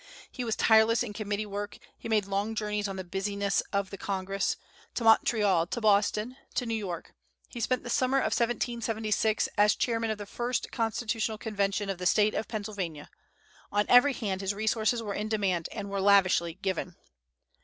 He was tireless in committee work; he made long journeys on the business of the Congress, to Montreal, to Boston, to New York; he spent the summer of 1776 as chairman of the first Constitutional Convention of the State of Pennsylvania: on every hand his resources were in demand and were lavishly given.